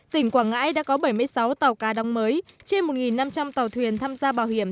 tỉnh quảng ngãi đã có bảy mươi sáu tàu cá đóng mới trên một năm trăm linh tàu thuyền tham gia bảo hiểm